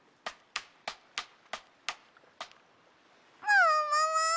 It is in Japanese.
ももも！